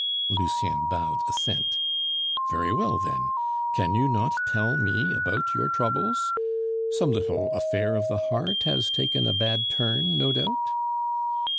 Lucien bowed assent. "Very well, then; can you not tell me about your troubles? Some little affair of the heart has taken a bad turn, no doubt?"